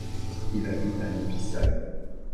Il habite à Novi Sad.